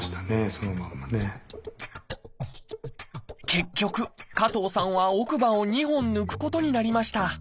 結局加藤さんは奥歯を２本抜くことになりました。